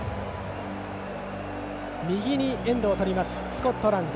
右にエンドをとりますスコットランド。